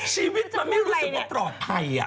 ชีวิตมันไม่รู้สึกว่าปลอดภัย